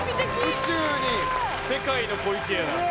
宇宙に世界の湖池屋